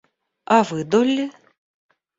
А вы, Долли?